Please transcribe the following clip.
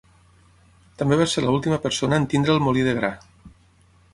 També va ser la última persona en tenir el molí de gra.